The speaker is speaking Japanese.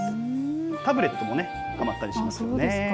タブレットもね、はまったりしますよね。